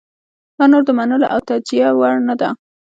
دا نور د منلو او توجیه وړ نه ده.